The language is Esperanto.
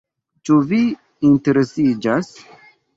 Ĉu vi interesiĝas?